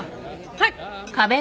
はい。